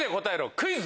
クイズ！